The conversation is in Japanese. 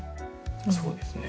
そうですね。